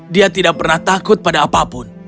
dia tidak pernah takut pada apapun